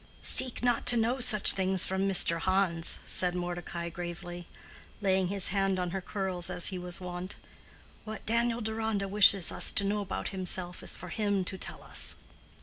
"Seek not to know such things from Mr. Hans," said Mordecai, gravely, laying his hand on her curls, as he was wont. "What Daniel Deronda wishes us to know about himself is for him to tell us."